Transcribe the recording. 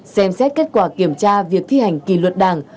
xem xét kết quả kiểm tra việc thi hành kỳ luật đảng